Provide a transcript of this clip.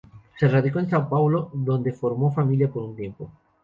Se radicó en São Paulo, donde formó familia por un tiempo.